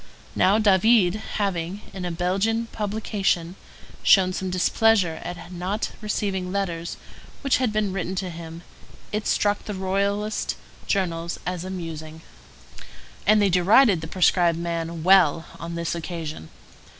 Now David, having, in a Belgian publication, shown some displeasure at not receiving letters which had been written to him, it struck the royalist journals as amusing; and they derided the prescribed man well on this occasion.